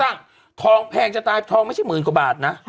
ทองแพงจะตายทองไม่ใช่หมื่นกว่าบาทนะ